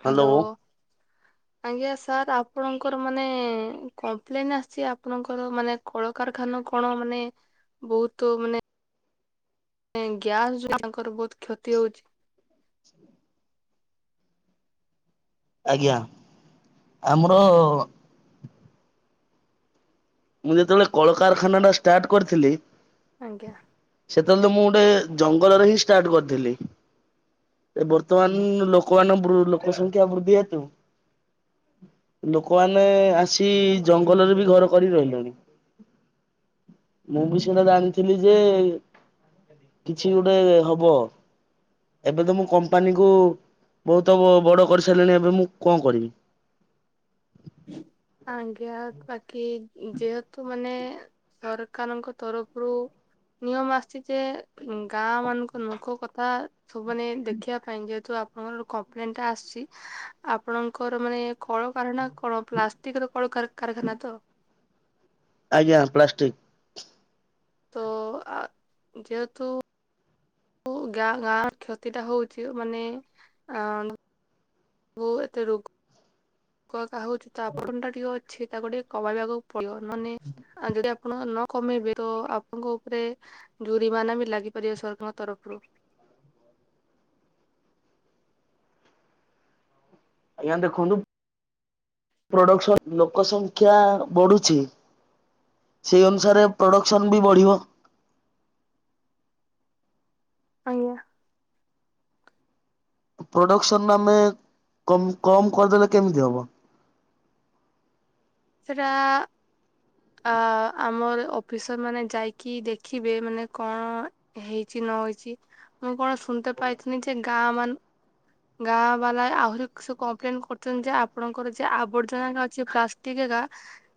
Hello. ଆଜ୍ଞା sir ଆପଣଙ୍କର ମାନେ କମ୍ପ୍ଲେନ ଆସିଛି ଆପଣଙ୍କର ମାନେ କଳକାରଖାନା କଣ ମାନେ ବହୁତୁ ମାନେ ଗ୍ୟାସ ଯୁ ତାଙ୍କର ବହୁତ କ୍ଷତି ହଉଚି [inaudible] ଆଜ୍ଞା ଆମର ମୁଁ ଯେତେବେଳେ କଳକାରଖାନା ଟା ଷ୍ଟାର୍ଟ କରିଥିଲି ଆଜ୍ଞା। ତାହେଲେ ମୁଁ ଗୋଟେ ଜଙ୍ଗଲରେ ହିଁ ଷ୍ଟାର୍ଟ କରିଥିଲି। ଏ ବର୍ତ୍ତମାନ ଲୋକାନ ଲୋକ ସଂଖ୍ୟା ବୃଦ୍ଧି ହେତୁ ଲୋକମାନେ ଆସି ଜଙ୍ଗଲରେ ବି ଘର କରି ରହିଲେଣି। ମୁଁ ବି ସେଇଟା ଜାଣିଥିଲି ଯେ କିଛି ଗୋଟେ ହବ। ଏବେ ତ ମୁଁ କମ୍ପାନୀ କୁ ବହୁତ ବଡ କରିସାରିଲିଣି ଏବେ ମୁଁ କଣ କରିବି। ଆଜ୍ଞା ବାକି ଯେହେତୁ ମାନେ ସରକାରଙ୍କ ତରଫରୁ ନିୟମ ଆସିଛି ଯେ ଗାଁ ମାନଙ୍କ ଲୋକ କଥା ସବୁମାନେ ଦେଖିବା ପାଇଁ ଯେହେତୁଆ ର ଗୋଟ କମ୍ପ୍ଲେନ ଟା ଆସିଛି ଆପଣଙ୍କର ମାନେ କଳ କାରଣା କଣ ପ୍ଲାଷ୍ଟିକ ର କଣ କାରଖାନା ତ ଆଜ୍ଞା ପ୍ଲାଷ୍ଟିକ୍ ତ ଯେହେତୁ ଗାଁ ଗାଁ କ୍ଷତି ଟା ହଉଛି ମାନେ ଅ ବ ଏତେ ରୋଗ କୁ କାହାଉଛ ଚାପଟନ ଟା ଟିକେ ଅଛି ତାକୁ ଟିକେ କମେଇବାକୁ ପଡିବ ନହେ ଆଉ ଯଦି ଆପଣ ନ କମେଇବେ ତ ଆପଣଙ୍କ ଉପରେ ଜୁରିମାନା ବି ଲାଗିପାରିବ ସରକାରଙ୍କ ତରଫରୁ। [inaudible] ଆଜ୍ଞା ଦେଖନ୍ତୁ ପ୍ରଡକ୍ସନ ଲୋକ ସଂଖ୍ୟା ବଢୁଛି। ସେଇ ଅନୁସାରେ ପ୍ରଡକ୍ସନ ବି ବଢିବ। ଆଜ୍ଞା। ପ୍ରଡକ୍ସନ ଆମେ କମ କମ କରିଦେଲେ କେମିତି ହବ। ସେଟା ଆ ଆମର ଅଫିସର ମାନେ ଯାଇକି ଦେଖିବେ ମାନେ କଣ ହେଇଛି ନ ହୋଇଛି। ମୁଁ କଣ ଶୁଣିତେ ପାଇଥିନି ଯେ ଗାଁ ମାନ ଗାଁ ବାଲା ଆହୁରି ସେ କମ୍ପ୍ଲେନ କରୁଛନ୍ତି ଯେ ଆପଣଙ୍କର ଯ ଆବର୍ଜନା ଅଛି ପ୍ଲା [unintelligible]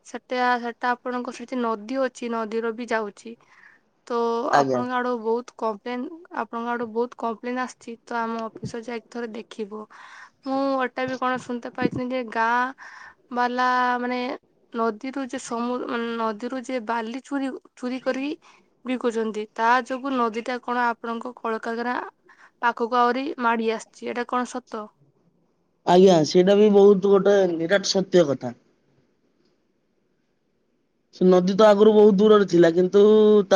ସେଟା ହେଟା ଆପଣଙ୍କ ସେଠି ନଦୀ ଅଛି ନଦୀର ବି ଯାଉଛି। ତ ଆଜ୍ଞା ଆପଣଙ୍କ ଆଡ଼ୁ ବହୁତ୍ କପ୍ଲେନ୍ ଆପଣଙ୍କ ଆଡ଼ୁ ବୋହୁତ୍ କପ୍ଲେନ୍ ଆସୁଚି ତ ଆମ ଅଫିସର ଯାଇକି ଥରେ ଦେଖିବ। ମୁଁ ମୁଁ ଏଟା ବି କଣ ଶୁଣିତେ ପାଇଥିନି ଯେ ଗାଁ ବାଲା ମାନେ ନଦୀରୁ ଯେ ସମୁ ମାନେ ନଦୀରୁ ଯେ ବାଲି ଚୁରି ଚୁରି କରି ବିକୁଛନ୍ତି। ତା ଯୋଗୁ ନଦୀ ଟା କଣ ଆପଣଙ୍କ କଳକାଗାରା। ପାଖକୁ ଆହୁରି ମାଡି ଆସିଛି ଏଇଟା କଣ ସତ। ଆଜ୍ଞା, ସେଇଟା ବି ବହୁତ ଗୋଟେ ନିରାଟ ସତ୍ୟ କଥା। ସେ ନଦୀ ତ ଆଗରୁ ବହୁତ ଦୂରରେ ଥିଲା କିନ୍ତୁ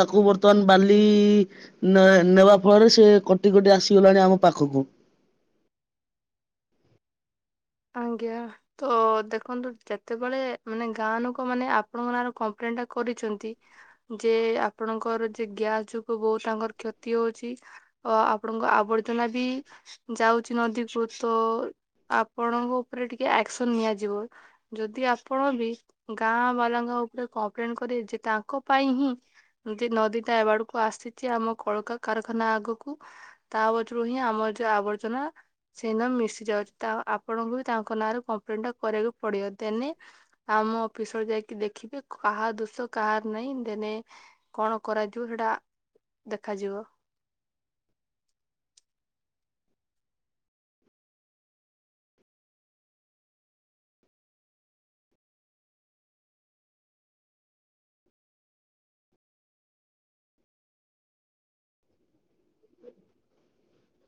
ତାକୁ ବର୍ତ୍ତମାନ ବାଲି ନେବା ଫଳରେ ସେ କଟି କଟି ଆସିଗଲାଣି ଆମ ପାଖକୁ। [inaudible] ଆଜ୍ଞା ତ ଦେଖନ୍ତୁ ଯେତେବେଳେ ମାନେ ଗାଁ ଲୋକ ମାନେ ଆପଣଙ୍କ ନାଁ ର କପ୍ଲେ ନ୍ କରିଛନ୍ତି। ଯେ ଆପଣଙ୍କର ଯେ ଗ୍ୟାସ୍ ଯୋଗୁ ବହୁତ୍ ତାଙ୍କର କ୍ଷତି ହଉଛି। ଅ ଆପଣଙ୍କ ଆବର୍ଜନା ବି ଯାଉଛି ନଦୀ କୁ ତ ଆପଣଙ୍କ ଉପରେ ଟିକେ ଆକ୍ସନ ନିଆଯିବ। ଯଦି ଆପଣ ବି ଗାଁ ବାଲାଙ୍କା ଉପରେ କମ୍ପ୍ଲେନ କରେ ଯେ ତାଙ୍କ ପାଇଁ ହିଁ ଯେ ନଦୀ ଟା ଏ ଆଡକୁ ଆସିଛି ଆମ କଳକା କାରଖାନା ଆଗକୁ ତା ପଛରୁ ହିଁ ଆମର ଯଉ ଆବର୍ଜନା ସେଦିନ ମିଶି ଯାଉଛି ତା ଆପଣଙ୍କୁ ବି ତାଙ୍କ ନାଁରେ କମ୍ପ୍ଲେନ ଟା କରିବାକୁ ପଡିବ। ଦେନେ ଆମ ଅଫିସର ଯାଇକି ଦେଖିବେ କାହା ଦୋଷ କାହାର ନାଇଁ ଦେନେ କଣ କରାଯିବ ସେଟା ଦେଖାଯିବ। [inaudible]